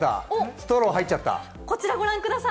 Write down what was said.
ストローが入っちゃった。